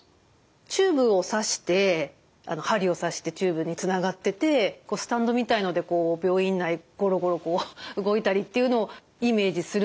チューブをさして針を刺してチューブにつながっててスタンドみたいのでこう病院内ゴロゴロ動いたりっていうのをイメージするんですよね。